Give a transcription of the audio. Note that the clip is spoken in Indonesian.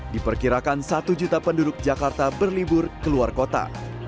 diperkirakan satu juta penduduk jakarta berlibur keluar kota